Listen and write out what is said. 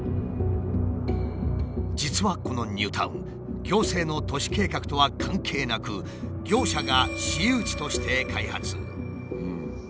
実はこのニュータウン行政の都市計画とは関係なく業者が私有地として開発。